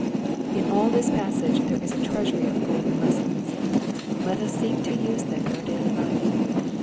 In all this passage there is a treasury of golden lessons. Let us seek to use them in our daily life.